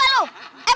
jangan pada ketawa lu